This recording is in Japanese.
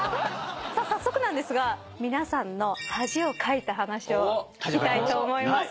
早速なんですが皆さんの恥をかいた話を聞きたいと思います。